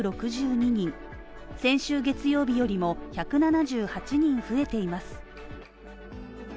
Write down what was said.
先週月曜日よりも、１７８人増えています。